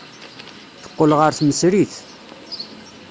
Teqqel ɣer tmesrit.